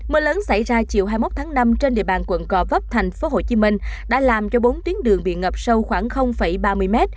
mưa lớn xảy ra chiều hai mươi một tháng năm trên địa bàn quận cò vấp thành phố hồ chí minh đã làm cho bốn tuyến đường bị ngập sâu khoảng ba mươi m